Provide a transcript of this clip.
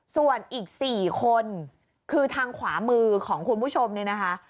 ส่วนอีก๔คนคือทางขวามือของคุณผู้ชมเนี่ยนะคะ